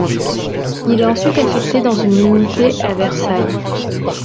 Il est ensuite affecté dans une unité à Versailles.